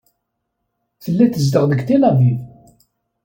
Tella tezdeɣ deg Tel Aviv.